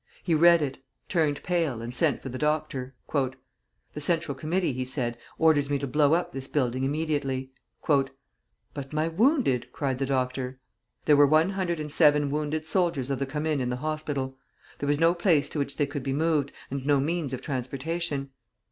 He read it, turned pale, and sent for the doctor. "The Central Committee," he said, "orders me to blow up this building immediately." "But my wounded?" cried the doctor. There were one hundred and seven wounded soldiers of the Commune in the hospital. There was no place to which they could be moved, and no means of transportation.